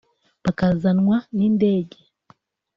bakazanwa n’indege